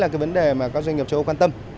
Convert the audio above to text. các doanh nghiệp châu âu quan tâm